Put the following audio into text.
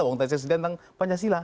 wawasan tesisnya tentang pancasila